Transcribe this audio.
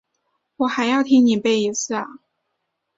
我还要听你背一次啊？